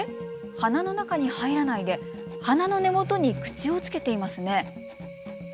花の中に入らないで花の根元に口をつけていますね。